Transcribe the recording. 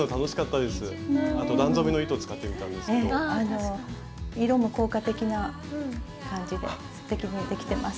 あの色も効果的な感じですてきにできてます。